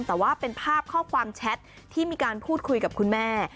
แต่ว่าเป็นภาพข้อความแชทที่มีการพูดคุยกับคุณแม่